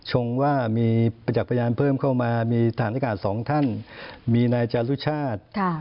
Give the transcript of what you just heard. ว่ามีประจักษ์พยานเพิ่มเข้ามามีฐานอากาศสองท่านมีนายจารุชาติ